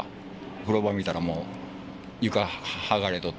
風呂場見たらもう、床、剥がれとっ